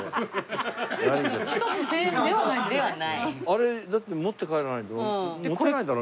あれだって持って帰らないと持てないだろ？